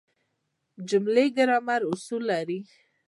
جمله ګرامري اصول لري.